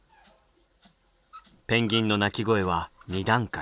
ペンギンの鳴き声は２段階。